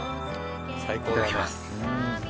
いただきます。